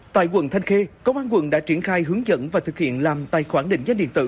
tại quận thanh khê công an quận đã triển khai hướng dẫn và thực hiện làm tài khoản định danh điện tử